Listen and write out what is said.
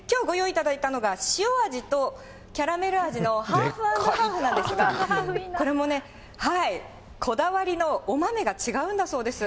いただいたのが塩味と、キャラメル味のハーフ＆ハーフなんですが、これもね、こだわりの、お豆が違うんだそうです。